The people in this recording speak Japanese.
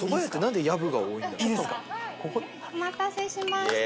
お待たせしました。